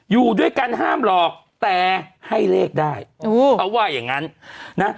อยู่ด้วยกันห้ามหลอกแต่ให้เลขได้เขาว่าอย่างงั้นนะ